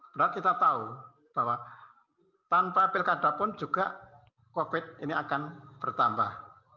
berat kita tahu bahwa tanpa pilkada pun juga covid ini akan bertambah